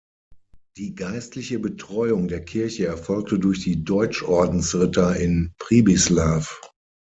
Die geistliche Betreuung der Kirche erfolgte durch die Deutschordensritter in Přibyslav.